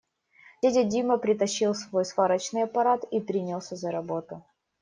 Дядя Дима притащил свой сварочный аппарат и принялся за работу.